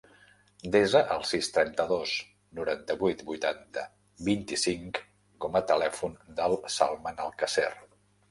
Desa el sis, trenta-dos, noranta-vuit, vuitanta, vint-i-cinc com a telèfon del Salman Alcacer.